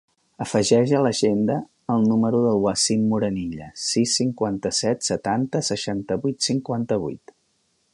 Afegeix a l'agenda el número del Wasim Morenilla: sis, cinquanta-set, setanta, seixanta-vuit, cinquanta-vuit.